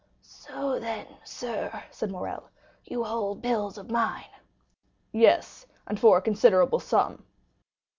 "So then, sir," said Morrel, "you hold bills of mine?" "Yes, and for a considerable sum."